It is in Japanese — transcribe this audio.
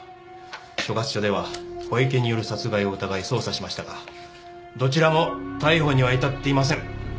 所轄署では小池による殺害を疑い捜査しましたがどちらも逮捕には至っていません。